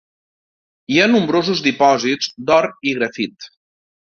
Hi ha nombrosos dipòsits d'or i grafit.